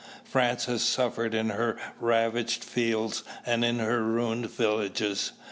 "France has suffered in her ravaged fields and in her ruined villages.